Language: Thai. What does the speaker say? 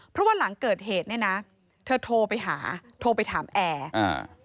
เพราะว่าหลังเกิดเหตุเนี้ยนะเธอโทรไปหาโทรไปถามแอร์อ่า